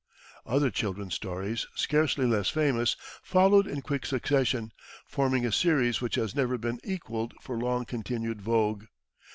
Other children's stories, scarcely less famous, followed in quick succession, forming a series which has never been equalled for long continued vogue.